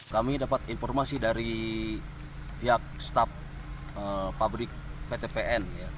kami dapat informasi dari pihak staf pabrik ptpn